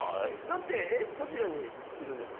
だってどちらにいるんですか？